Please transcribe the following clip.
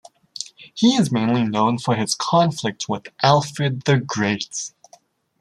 He is mainly known for his conflict with Alfred the Great.